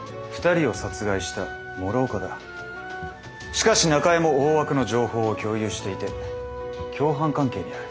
しかし中江も大枠の情報を共有していて共犯関係にある。